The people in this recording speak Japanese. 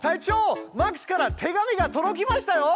マックスから手紙が届きましたよ！